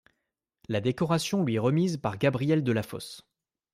La décoration lui est remise par Gabriel Delafosse.